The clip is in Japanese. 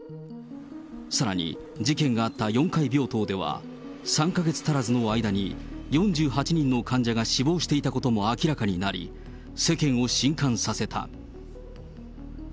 さらに事件があった４階病棟では、３か月足らずの間に４８人の患者が死亡していたことも明らかになり、世間をしんかんさせた。